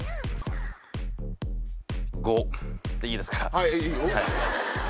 はいいいよ。